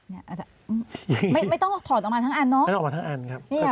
อย่างงี้ไม่ไม่ต้องถอดออกมาทั้งอันเนอะไม่ต้องออกมาทั้งอันครับนี่ค่ะ